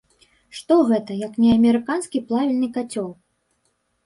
Што гэта, як не амерыканскі плавільны кацёл?